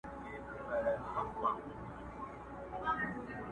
وزرماتي زاڼي ګرځي آشیانه له کومه راوړو!.